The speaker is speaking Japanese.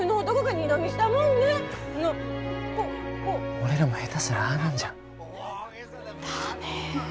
俺らも下手したらああなんじゃん。だね。